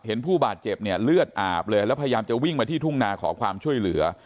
ผู้บาดเจ็บเนี่ยเลือดอาบเลยแล้วพยายามจะวิ่งมาที่ทุ่งนาขอความช่วยเหลือ